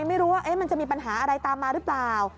ไม่รู้ว่ามันจะมีปัญหาอะไรตามมาหรือเปล่า